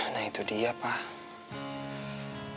nah itu dia pak